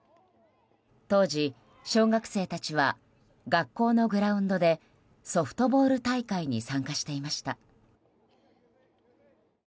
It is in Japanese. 当時、小学生たちは学校のグラウンドでソフトボール大会に参加していました。